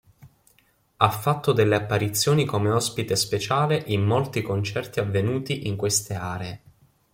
Ha fatto delle apparizioni come ospite speciale in molti concerti avvenuti in queste aree.